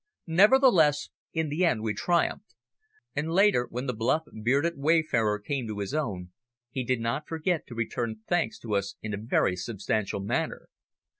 Nevertheless, in the end we triumphed, and later, when the bluff, bearded wayfarer came to his own, he did not forget to return thanks to us in a very substantial manner.